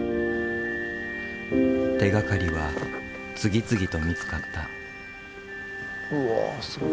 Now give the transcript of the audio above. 手がかりは次々と見つかった。